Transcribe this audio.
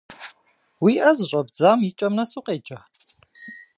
Уи ӏэ зыщӏэбдзам и кӏэм нэс укъеджа?